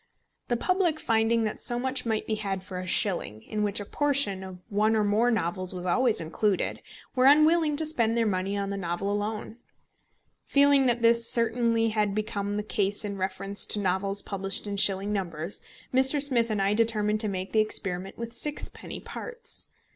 The public finding that so much might be had for a shilling, in which a portion of one or more novels was always included, were unwilling to spend their money on the novel alone. Feeling that this certainly had become the case in reference to novels published in shilling numbers, Mr. Smith and I determined to make the experiment with sixpenny parts.